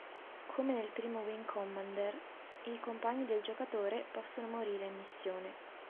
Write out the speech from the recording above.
Come nel primo "Wing Commander" i compagni del giocatore possono morire in missione.